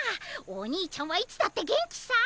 おにいちゃんはいつだって元気さ